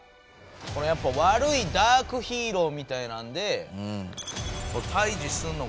これやっぱ悪いダークヒーローみたいなんで退治するのが「愛する人」。